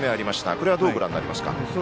これは、どうご覧になりますか。